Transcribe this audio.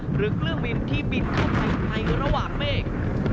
หรือเครื่องบินที่บินเข้าไทยระหว่างเมฆ